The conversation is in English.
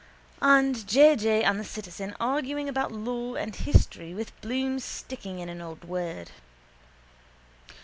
And J. J. and the citizen arguing about law and history with Bloom sticking in an odd word.